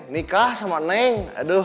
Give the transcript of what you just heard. nikah sama neng